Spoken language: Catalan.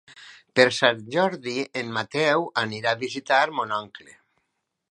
Per Sant Jordi en Mateu anirà a visitar mon oncle.